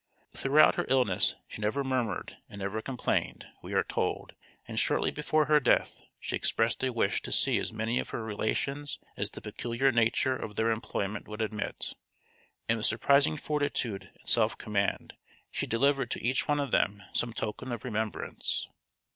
Throughout her illness she never murmured and never complained, we are are told, and shortly before her death she expressed a wish to see as many of her relations as the peculiar nature of their employment would admit, and with surprising fortitude and self command she delivered to each one of them some token of remembrance.